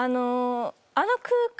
あの空間。